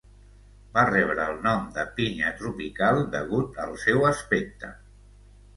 Va rebre el nom de "Pinya tropical" degut al seu aspecte.